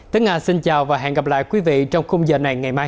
tới nga xin chào và hẹn gặp lại quý vị trong khung giờ này ngày mai